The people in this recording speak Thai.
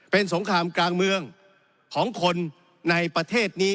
เป็นสงครามกลางเมืองของคนในประเทศนี้